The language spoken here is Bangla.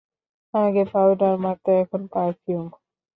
আগে পাউডার মাখতো এখন পারফিউম।